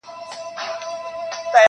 • ړانده وویل بچی د ځناور دی -